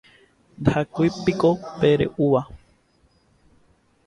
ndahakúipiko pe re'úva